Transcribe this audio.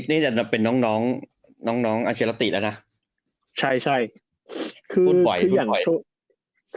นี่เป็นน้องน้องอาเชียราติแล้วนะใช่ใช่คือสู่